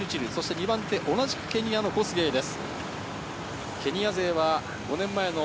２番手、同じくケニアのコスゲイです。